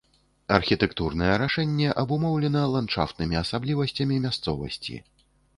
Архітэктурнае рашэнне абумоўлена ландшафтнымі асаблівасцямі мясцовасці.